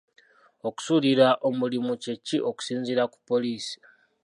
Okusuulirira omulimu kye ki okusinziira ku poliisi?